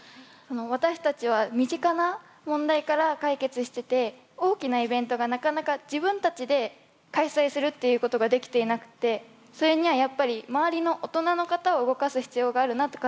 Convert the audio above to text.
私たちは身近な問題から解決してて大きなイベントがなかなか自分たちで開催するっていうことができていなくてそれにはやっぱり周りの大人の方を動かす必要があるなって感じています。